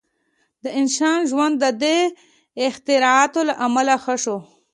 • د انسان ژوند د دې اختراعاتو له امله ښه شو.